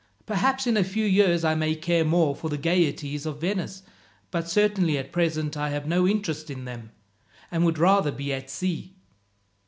Perhaps in a few years I may care more for the gaieties of Venice, but certainly at present I have no interest in them, and would rather be at sea.